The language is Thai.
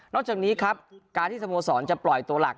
จากนี้ครับการที่สโมสรจะปล่อยตัวหลัก